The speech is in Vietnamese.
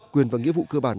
quyền và nghĩa vụ cơ bản